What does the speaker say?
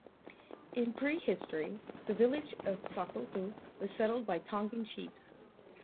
In pre-history, the village of Safotu was settled by Tongan chiefs.